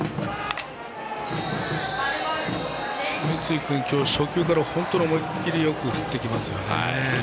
三井君、今日、初球から本当に思いっきりよく振ってきますね。